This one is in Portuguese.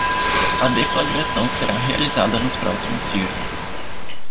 A deflagração será realizada nos próximos dias